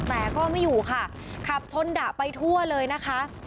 แต่ก็ไม่อยู่ค่ะขับชนดะไปทั่วเลยนะคะ